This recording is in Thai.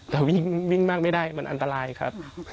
แต่วิ่งมากไม่ได้มันอันตรายครับ